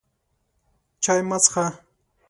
چای مه څښه!